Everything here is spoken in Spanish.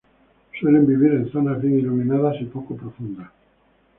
Suelen vivir en zonas bien iluminadas y poco profundas.